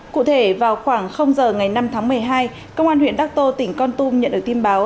cụ thể vào khoảng giờ ngày năm tháng một mươi hai công an huyện đắc tô tỉnh con tum nhận được tin báo